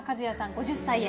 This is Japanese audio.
５０歳へ。